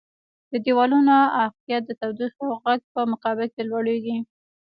د دیوالونو عایقیت د تودوخې او غږ په مقابل کې لوړیږي.